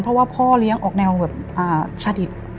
เพราะว่าพ่อเลี้ยงออกแนวแบบสนิท